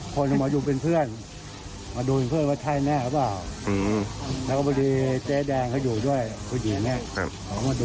แขนหักขาหักมันมีส่วนเอาไปโยน